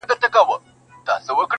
• هغو زموږ په مټو یووړ تر منزله,